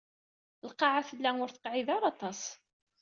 Lqaɛa tella ur teqɛid ara aṭas.